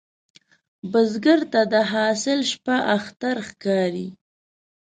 بزګر ته د حاصل شپه اختر ښکاري